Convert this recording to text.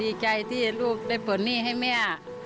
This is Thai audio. ดีใจที่ลูกได้ปลดหนี้ให้แม่